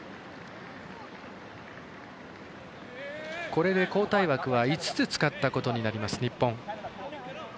これで、交代枠は５つ使ったことになります、日本。